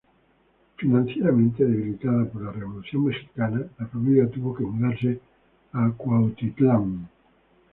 Financieramente debilitada por la Revolución mexicana, la familia tuvo que mudarse a Cuautitlán.